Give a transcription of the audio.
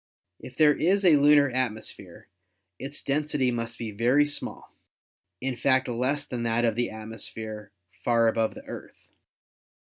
If there is a lunar atmosphere its density must be very small, in fact less than that of the atmosphere far above the Earth.